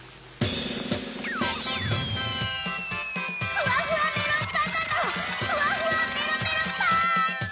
ふわふわメロンパンナのふわふわメロメロパンチ！